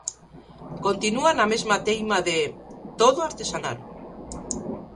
Continúa na mesma teima de: todo artesanal.